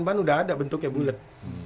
ban udah ada bentuknya bulet